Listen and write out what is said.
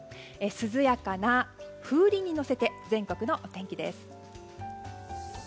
涼やかな風鈴に乗せて全国のお天気です。